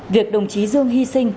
việc đồng chí dương hy sinh